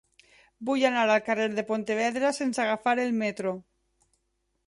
Vull anar al carrer de Pontevedra sense agafar el metro.